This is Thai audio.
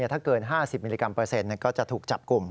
ถ้าเกิน๕๐มิลลิกรัมเปอร์เซ็นต์ก็จะถูกจับกลุ่ม